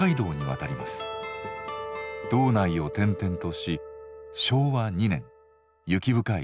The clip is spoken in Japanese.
道内を転々とし昭和２年雪深い